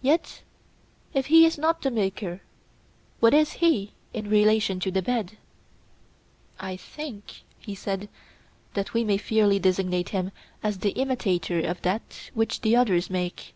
Yet if he is not the maker, what is he in relation to the bed? I think, he said, that we may fairly designate him as the imitator of that which the others make.